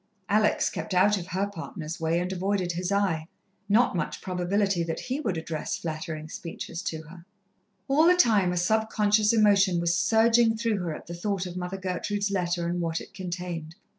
Alex kept out of her partner's way, and avoided his eye. Not much probability that he would address flattering speeches to her! All the time a subconscious emotion was surging through her at the thought of Mother Gertrude's letter and what it contained.